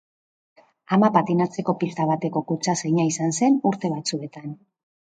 Ama patinatzeko pista bateko kutxazaina izan zen urte batzuetan.